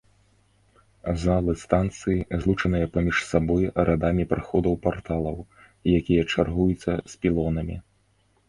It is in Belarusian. Залы станцыі злучаныя паміж сабой радамі праходаў-парталаў, якія чаргуюцца з пілонамі.